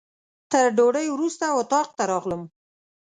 تر ډوډۍ وروسته اتاق ته راغلم.